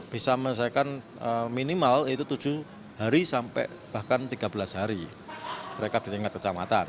bisa menyelesaikan minimal itu tujuh hari sampai bahkan tiga belas hari rekap di tingkat kecamatan